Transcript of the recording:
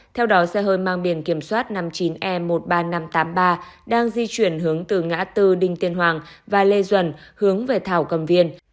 theo đó xe hơi mang biển kiểm soát năm mươi chín e một mươi ba nghìn năm trăm tám mươi ba đang di chuyển hướng từ ngã tư đinh tiên hoàng và lê duẩn hướng về thảo cầm viên